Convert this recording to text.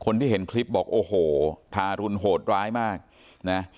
คนที่เห็นคลิปบอกโอ้โหทารุณโหดร้ายมากนะ